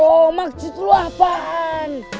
oh maksud lu apaan